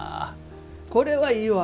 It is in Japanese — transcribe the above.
これはいいわ。